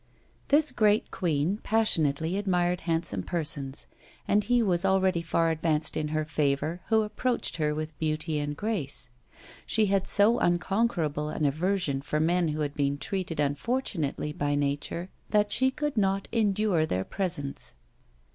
This great queen passionately admired handsome persons, and he was already far advanced in her favour who approached her with beauty and grace. She had so unconquerable an aversion for men who had been treated unfortunately by nature, that she could not endure their presence.